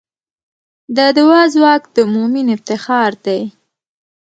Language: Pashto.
د دعا ځواک د مؤمن افتخار دی.